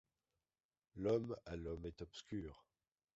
L’homme à l’homme est obscur.